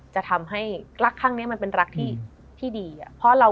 จะทำให้รักทางเนี้ย